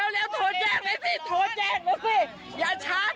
แล้วป้าไปติดหัวมันเมื่อกี้แล้วป้าไปติดหัวมันเมื่อกี้